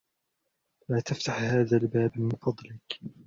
لا تفتح هذا الباب من فضلك.